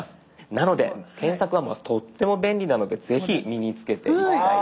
なので検索はとっても便利なので是非身につけて頂きたい。